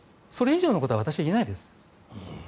それ以上のことは私は言えないです。